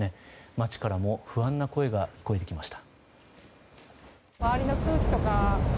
街からも不安な声が聞こえてきました。